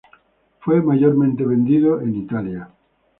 Fue mayormente vendido en Italia.